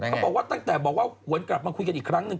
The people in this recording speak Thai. เขาบอกว่าตั้งแต่บอกว่าหวนกลับมาคุยกันอีกครั้งหนึ่ง